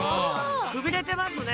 くびれてますね